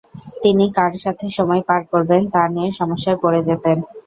তিনি কার সাথে সময় পার করবেন তা নিয়ে সমস্যায় পড়ে যেতেন।